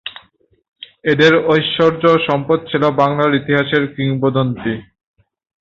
এঁদের ঐশ্বর্য ও সম্পদ ছিল বাংলার ইতিহাসে কিংবদন্তি।